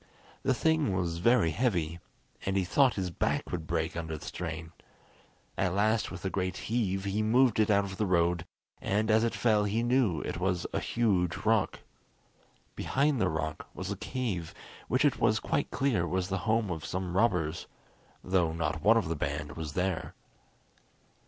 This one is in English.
The thing was very heavy, and he thought his back would break under the strain. At last with a great heave he moved it out of the road, and as it fell he knew it was a huge rock. Behind the rock was a cave which it was quite clear was the home of some robbers, though not one of the band was there.